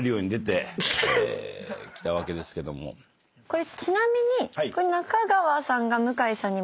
これちなみに。